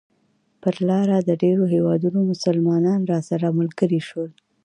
پر لاره د ډېرو هېوادونو مسلمانان راسره ملګري شول.